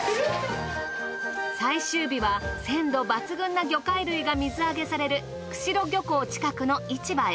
最終日は鮮度抜群な魚介類が水揚げされる釧路漁港近くの市場へ。